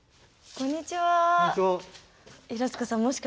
こんにちは。